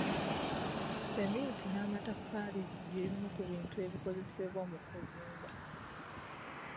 Sseminti n'amatafaali by'ebimu ku bintu ebikozesebwa mu kuzimba.